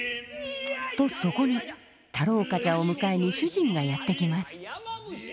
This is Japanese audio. とそこに太郎冠者を迎えに主人がやって来ます。